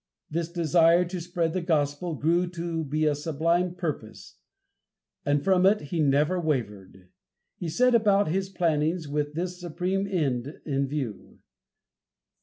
This desire to spread the Gospel grew to be a sublime purpose, and from it he never wavered. He set about his plannings, with this supreme end in view.